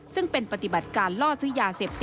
ซึ่งเป็นปฏิบัติการล่อซื้อยาเสพติด